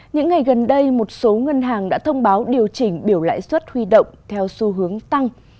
những ngày gần đây một số ngân hàng đã thông báo điều chỉnh biểu lãi suất huy động theo xu hướng tăng